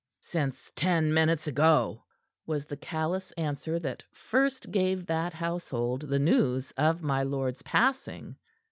"Since ten minutes ago," was the callous answer that first gave that household the news of my lord's passing.